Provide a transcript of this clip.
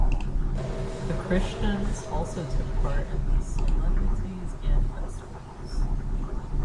The Christians also took part in these solemnities and festivals.